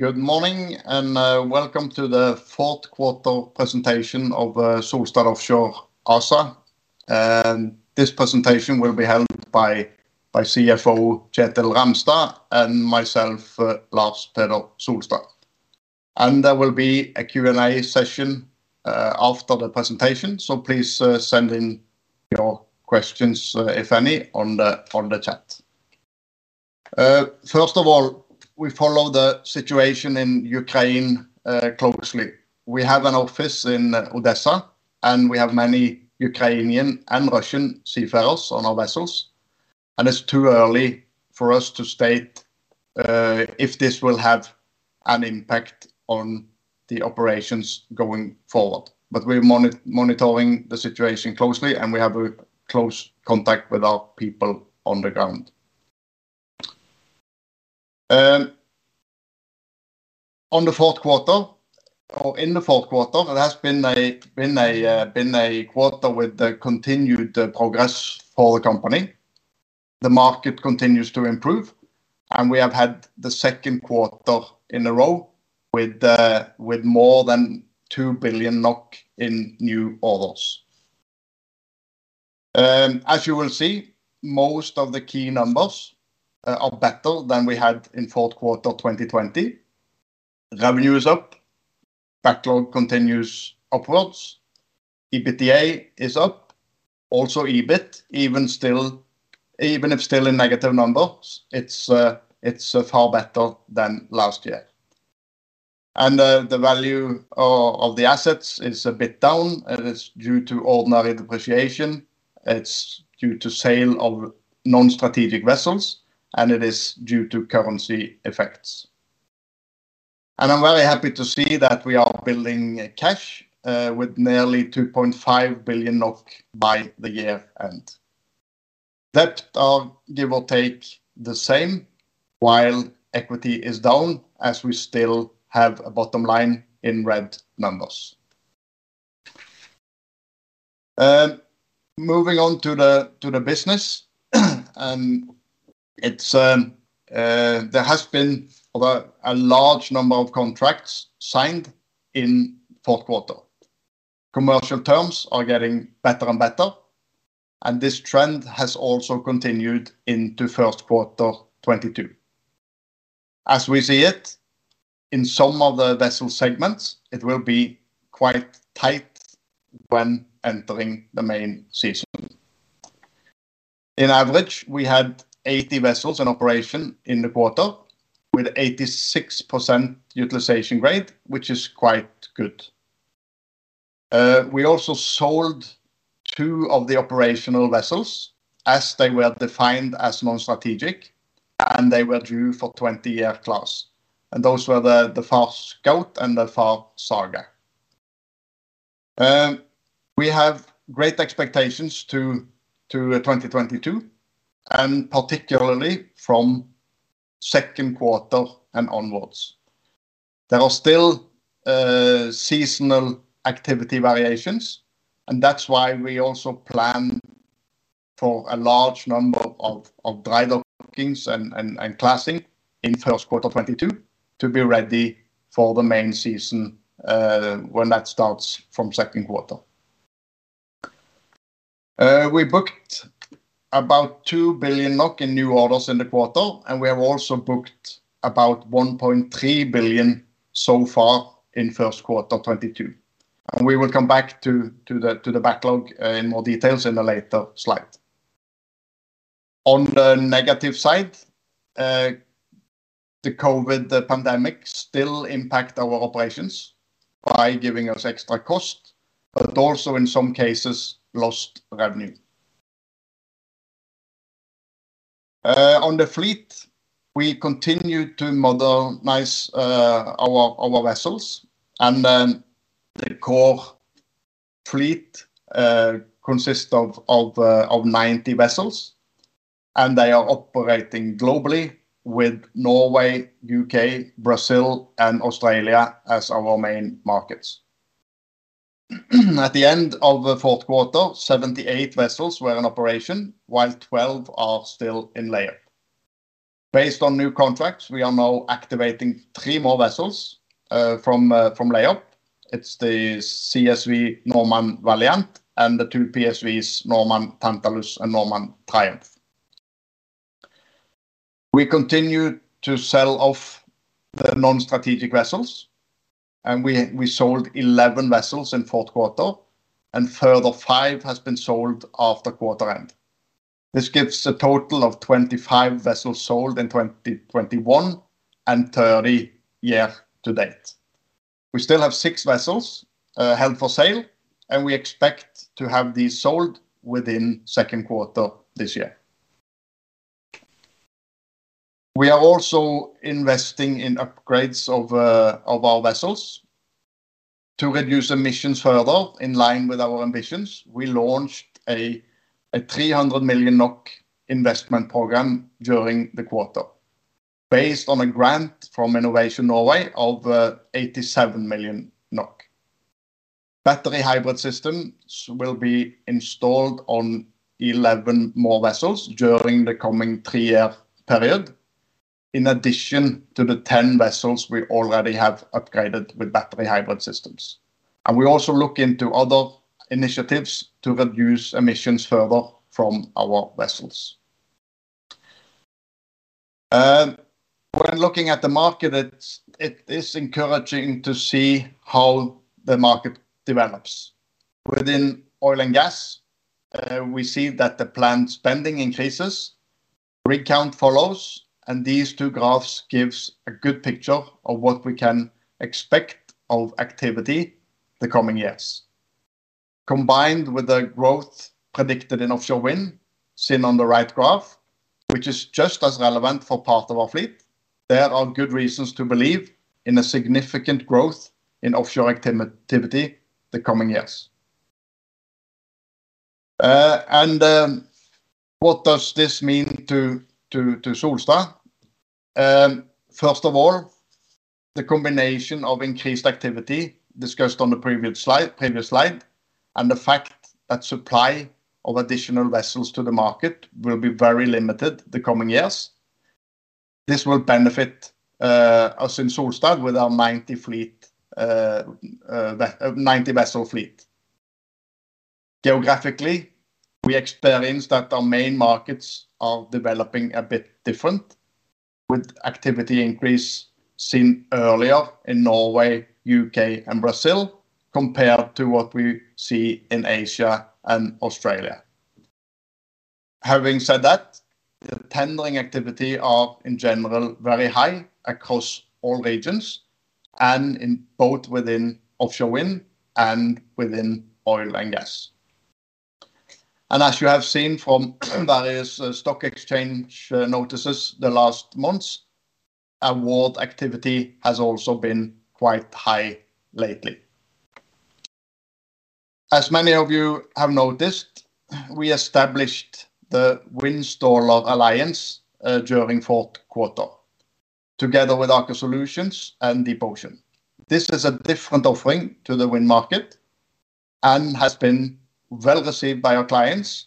Good morning and welcome to the fourth quarter presentation of Solstad Offshore. This presentation will be held by CFO Kjetil Ramstad and myself, Lars Peder Solstad. There will be a Q&A session after the presentation, so please send in your questions, if any, on the chat. First of all, we follow the situation in Ukraine closely. We have an office in Odesa, and we have many Ukrainian and Russian seafarers on our vessels. It's too early for us to state if this will have an impact on the operations going forward, but we're monitoring the situation closely, and we have a close contact with our people on the ground. In the fourth quarter, it has been a quarter with continued progress for the company. The market continues to improve, and we have had the second quarter in a row with more than 2 billion NOK in new orders. As you will see, most of the key numbers are better than we had in the fourth quarter of 2020. Revenue is up, backlog continues upwards, EBITDA is up, also EBIT, even if still a negative number, it's far better than last year. The value of the assets is a bit down. It is due to ordinary depreciation, it's due to sale of non-strategic vessels, and it is due to currency effects. I'm very happy to see that we are building cash with nearly 2.5 billion NOK by the year-end. That is give or take the same while equity is down, as we still have a bottom line in red numbers. Moving on to the business, there has been a large number of contracts signed in the fourth quarter. Commercial terms are getting better and better, and this trend has also continued into the first quarter of 2022. As we see it, in some of the vessel segments, it will be quite tight when entering the main season. On average, we had 80 vessels in operation in the quarter with 86% utilization grade, which is quite good. We also sold two of the operational vessels as they were defined as non-strategic, and they were due for 20year+. Those were the Far Scout and the Far Saga. We have great expectations for 2022 and particularly from the second quarter and onwards. There are still seasonal activity variations, and that's why we also plan for a large number of dry dockings and classing in the first quarter of 2022 to be ready for the main season when that starts from the second quarter. We booked about 2 billion NOK in new orders in the quarter, and we have also booked about 1.3 billion so far in the first quarter of 2022. We will come back to the backlog in more detail in a later slide. On the negative side, the COVID pandemic still impacts our operations by giving us extra costs, but also in some cases lost revenue. On the fleet, we continue to modernize our vessels, and the core fleet consists of 90 vessels, and they are operating globally with Norway, U.K., Brazil, and Australia as our main markets. At the end of the fourth quarter, 78 vessels were in operation while 12 are still in layup. Based on new contracts, we are now activating three more vessels from layup. It's the CSV Normand Valiant and the two PSVs, Normand Tantalus and Normand Triumph. We continue to sell off the non-strategic vessels, and we sold 11 vessels in the fourth quarter, and a further five have been sold after the quarter end. This gives a total of 25 vessels sold in 2021 and 30 year to date. We still have six vessels held for sale, and we expect to have these sold within the second quarter of this year. We are also investing in upgrades of our vessels to reduce emissions further in line with our ambitions. We launched a 300 million NOK investment program during the quarter based on a grant from Innovation Norway of 87 million NOK. Battery hybrid systems will be installed on 11 more vessels during the coming three-year period in addition to the 10 vessels we already have upgraded with battery hybrid systems. We also look into other initiatives to reduce emissions further from our vessels. When looking at the market, it is encouraging to see how the market develops. Within oil and gas, we see that the planned spending increases, rig count follows, and these two graphs give a good picture of what we can expect of activity in the coming years. Combined with the growth predicted in offshore wind seen on the right graph, which is just as relevant for part of our fleet, there are good reasons to believe in a significant growth in offshore activity in the coming years. What does this mean to Solstad Offshore? First of all, the combination of increased activity discussed on the previous slide and the fact that the supply of additional vessels to the market will be very limited in the coming years, this will benefit us in Solstad Offshore with our 90 vessel fleet. Geographically, we experience that our main markets are developing a bit different with activity increase seen earlier in Norway, U.K., and Brazil compared to what we see in Asia Pacific and Australia. Having said that, the tendering activities are in general very high across all regions and both within offshore wind and within oil and gas. As you have seen from various stock exchange notices in the last months, award activity has also been quite high lately. As many of you have noticed, we established the Windstaller Alliance during the fourth quarter together with Aker Solutions and DeepOcean. This is a different offering to the wind market and has been well received by our clients,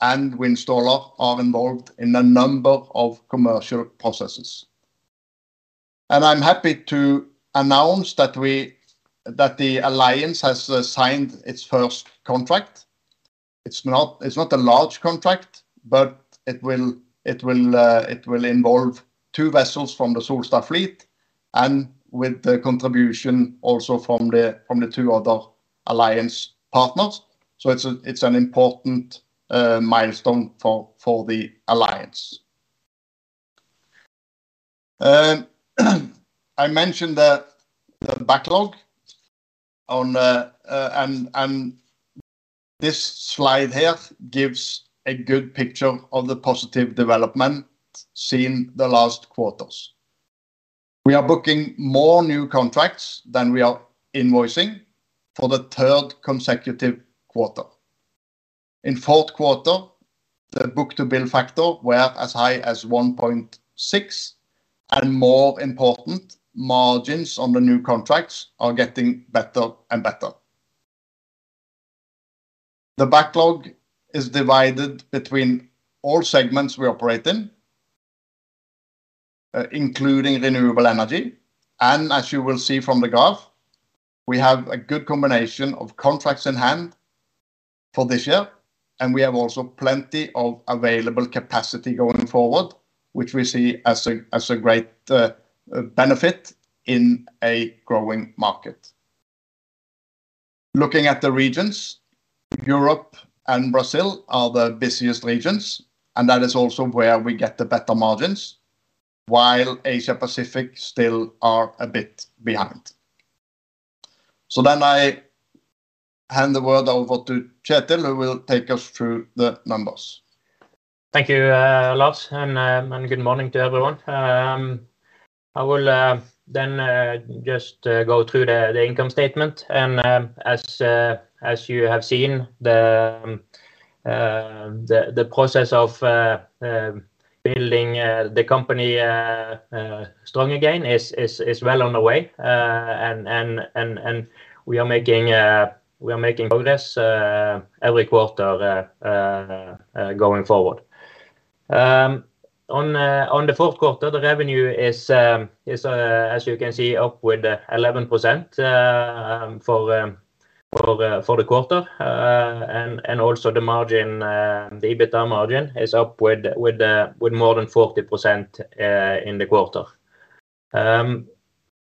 and Windstaller are involved in a number of commercial processes. I'm happy to announce that the Alliance has signed its first contract. It's not a large contract, but it will involve two vessels from the Solstad Offshore fleet and with the contribution also from the two other Alliance partners. It's an important milestone for the Alliance. I mentioned the backlog, and this slide here gives a good picture of the positive development seen in the last quarters. We are booking more new contracts than we are invoicing for the third consecutive quarter. In the fourth quarter, the book-to-bill factor went as high as 1.6, and more important, margins on the new contracts are getting better and better. The backlog is divided between all segments we operate in, including renewable energy. As you will see from the graph, we have a good combination of contracts in hand for this year, and we have also plenty of available capacity going forward, which we see as a great benefit in a growing market. Looking at the regions, Europe and Brazil are the busiest regions, and that is also where we get the better margins, while Asia Pacific still is a bit behind. I hand the word over to Kjetil, who will take us through the numbers. Thank you, Lars, and good morning to everyone. I will then just go through the income statement. As you have seen, the process of building the company strong again is well underway, and we are making progress every quarter going forward. On the fourth quarter, the revenue is, as you can see, up with 11% for the quarter, and also the EBITDA margin is up with more than 40% in the quarter.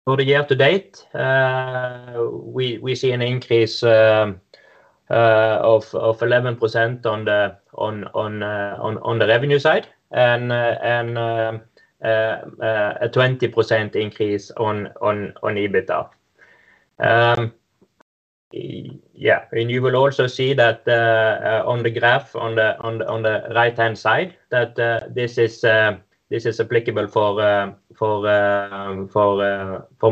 For the year to date, we see an increase of 11% on the revenue side and a 20% increase on EBITDA. You will also see that on the graph on the right-hand side that this is applicable for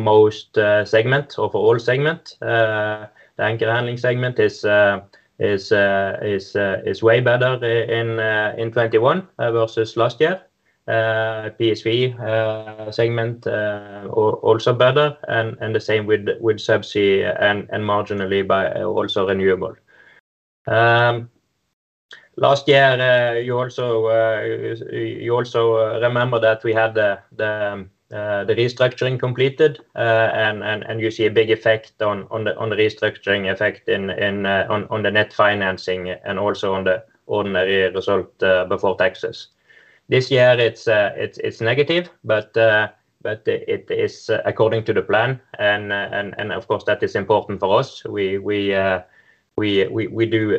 most segments or for all segments. The anchor handling segment is way better in 2021 versus last year. The PSV segment is also better, and the same with subsea and marginally by also renewable. Last year, you also remember that we had the restructuring completed, and you see a big effect on the restructuring effect on the net financing and also on the ordinary result before taxes. This year, it's negative, but it is according to the plan, and of course, that is important for us. We do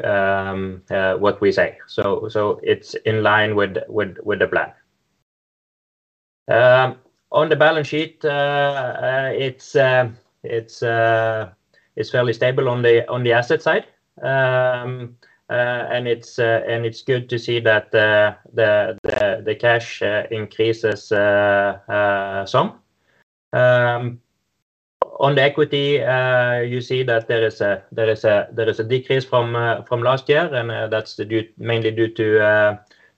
what we say, so it's in line with the plan. On the balance sheet, it's fairly stable on the asset side, and it's good to see that the cash increases some. On the equity, you see that there is a decrease from last year, and that's mainly due to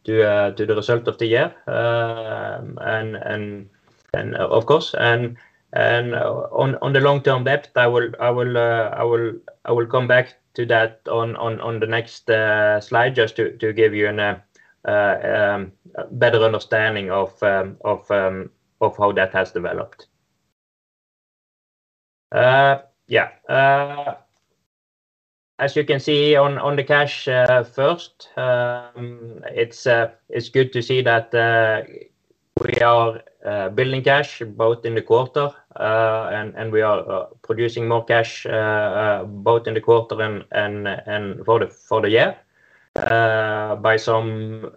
the result of the year. Of course, on the long-term debt, I will come back to that on the next slide just to give you a better understanding of how that has developed. As you can see on the cash first, it's good to see that we are building cash both in the quarter, and we are producing more cash both in the quarter and for the year by some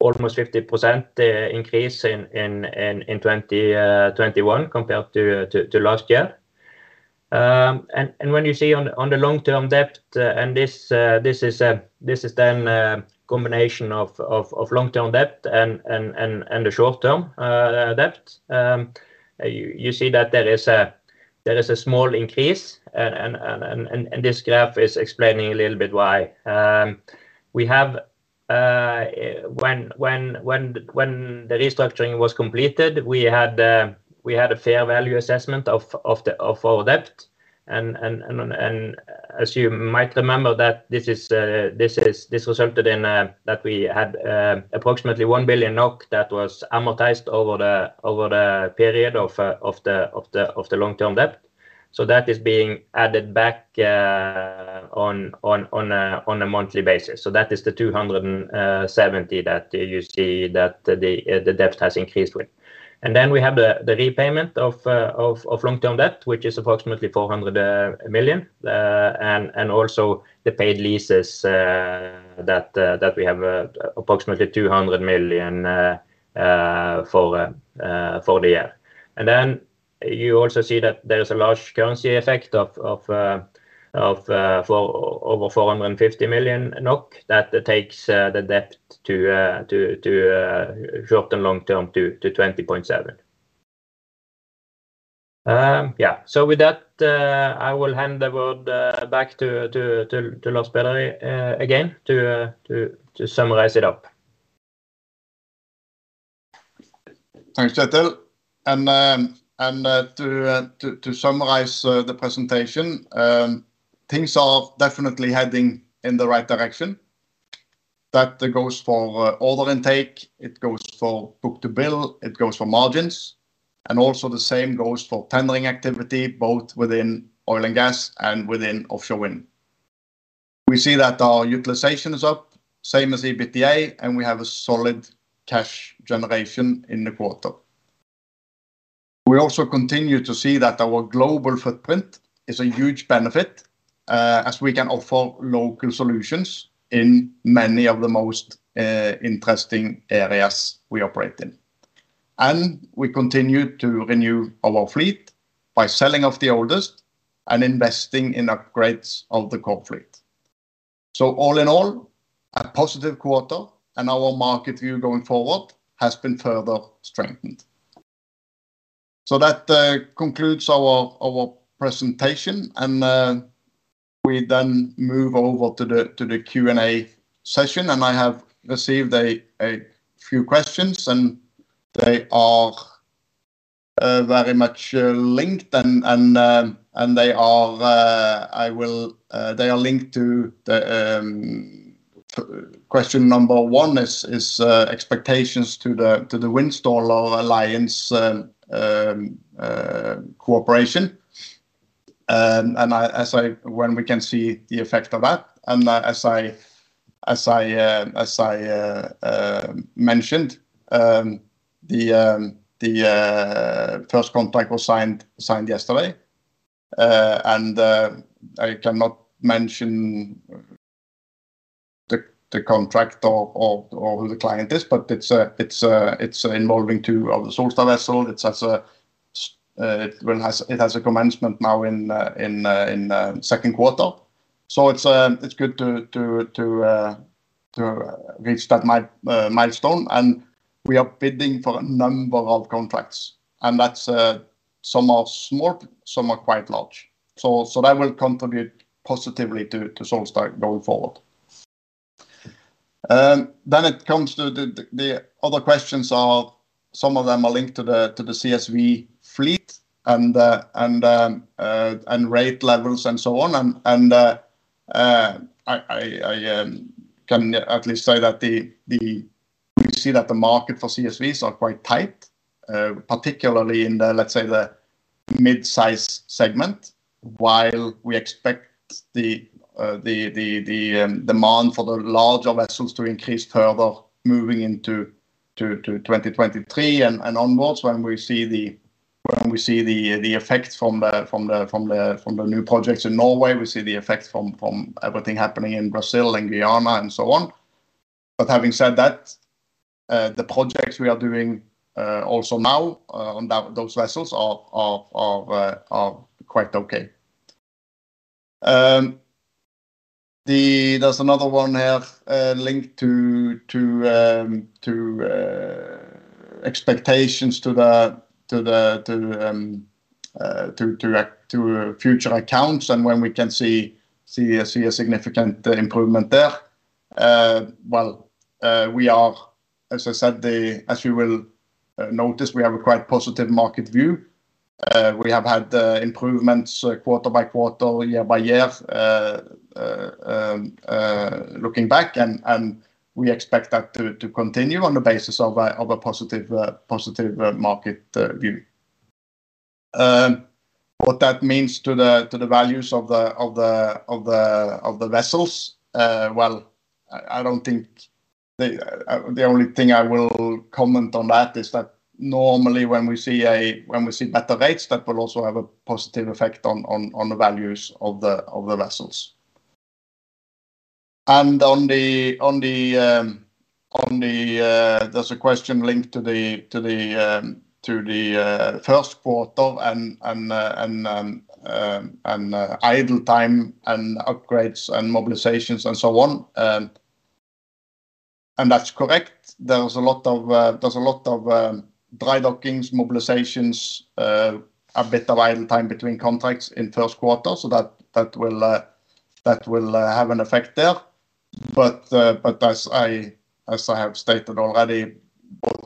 almost 50% increase in 2021 compared to last year. When you see on the long-term debt, and this is then a combination of long-term debt and the short-term debt, you see that there is a small increase, and this graph is explaining a little bit why. We have, when the restructuring was completed, we had a fair value assessment of our debt. As you might remember, this resulted in that we had approximately 1 billion NOK that was amortized over the period of the long-term debt. That is being added back on a monthly basis, so that is the 270 million that you see that the debt has increased with. Then we have the repayment of long-term debt, which is approximately 400 million, and also the paid leases that we have approximately 200 million for the year. Then you also see that there is a large currency effect of over 450 million NOK that takes the debt to short and long term to 20.7 billion. With that, I will hand the word back to Lars Peder Solstad again to summarize it up. Thanks, Kjetil. To summarize the presentation, things are definitely heading in the right direction. That goes for order intake, it goes for book-to-bill, it goes for margins, and also the same goes for tendering activity both within oil and gas and within offshore wind. We see that our utilization is up, same as EBITDA, and we have a solid cash generation in the quarter. We also continue to see that our global footprint is a huge benefit as we can offer local solutions in many of the most interesting areas we operate in. We continue to renew our fleet by selling off the oldest and investing in upgrades of the core fleet. All in all, a positive quarter, and our market view going forward has been further strengthened. That concludes our presentation, and we then move over to the Q&A session. I have received a few questions, and they are very much linked, and they are linked to question number one, expectations to the Windstaller Alliance cooperation. As I said, we can see the effect of that. As I mentioned, the first contract was signed yesterday, and I cannot mention the contract or who the client is, but it's involving two of the Solstad vessels. It has a commencement now in the second quarter, so it's good to reach that milestone. We are bidding for a number of contracts, and some are small, some are quite large. That will contribute positively to Solstad going forward. It comes to the other questions. Some of them are linked to the CSV fleet and rate levels and so on. I can at least say that you see that the market for CSVs is quite tight, particularly in the, let's say, the mid-size segment, while we expect the demand for the larger vessels to increase further moving into 2023 and onwards. When we see the effects from the new projects in Norway, we see the effects from everything happening in Brazil and Guyana and so on. Having said that, the projects we are doing also now on those vessels are quite okay. There's another one here linked to expectations to future accounts and when we can see a significant improvement there. As I said, as you will notice, we have a quite positive market view. We have had improvements quarter by quarter, year by year looking back, and we expect that to continue on the basis of a positive market view. What that means to the values of the vessels, I don't think the only thing I will comment on that is that normally when we see better rates, that will also have a positive effect on the values of the vessels. There's a question linked to the first quarter and idle time and upgrades and mobilizations and so on. That's correct. There's a lot of dry dockings, mobilizations, a bit of idle time between contracts in the first quarter, so that will have an effect there. As I have stated already,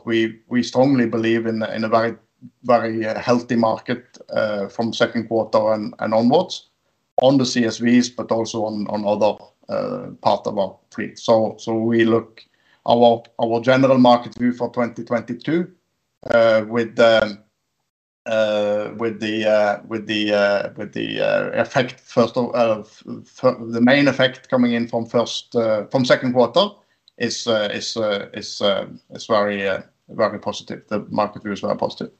we strongly believe in a very healthy market from the second quarter and onwards on the construction support vessels (CSVs), but also on other parts of our fleet. We look at our general market view for 2022 with the main effect coming in from the second quarter as very positive. The market view is very positive.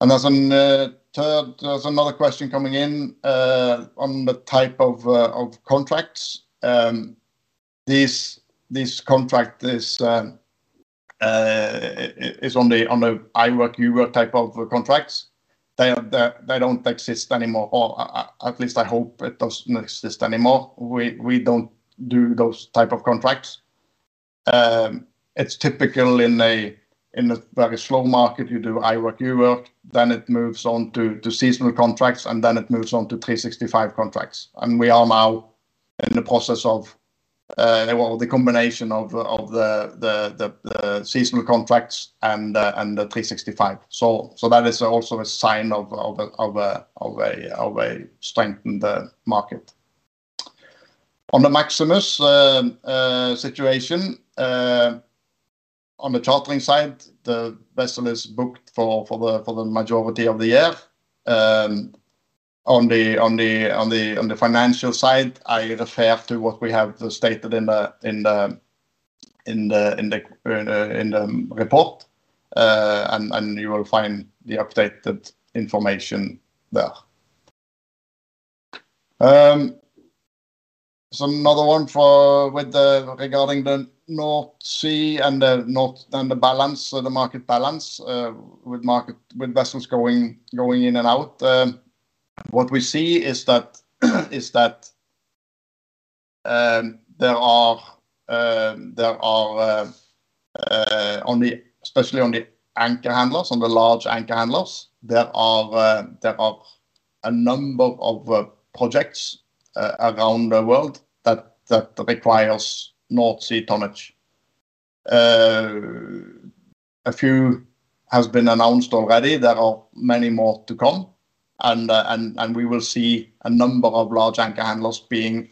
There's another question coming in on the type of contracts. This contract is on the I work, you work type of contracts. They don't exist anymore, or at least I hope it doesn't exist anymore. We don't do those types of contracts. It's typical in a very slow market. You do I work, you work, then it moves on to seasonal contracts, and then it moves on to 365 contracts. We are now in the process of the combination of the seasonal contracts and the 365. That is also a sign of a strength in the market. On the Maximus situation, on the chartering side, the vessel is booked for the majority of the year. On the financial side, I refer to what we have stated in the report, and you will find the updated information there. There's another one regarding the North Sea and the balance, the market balance with vessels going in and out. What we see is that there are, especially on the anchor handlers, on the large anchor handlers, there are a number of projects around the world that require North Sea tonnage. A few have been announced already. There are many more to come, and we will see a number of large anchor handlers being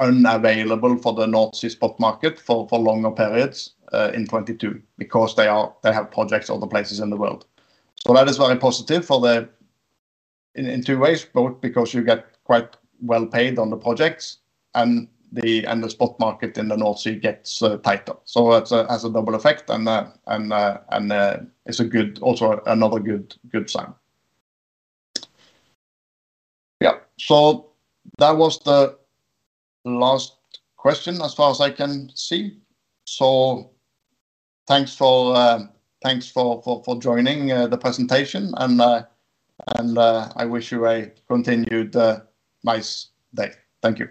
unavailable for the North Sea spot market for longer periods in 2022 because they have projects other places in the world. That is very positive in two ways, both because you get quite well paid on the projects and the spot market in the North Sea gets tighter. That has a double effect, and it's also another good sign. That was the last question as far as I can see. Thanks for joining the presentation, and I wish you a continued nice day. Thank you.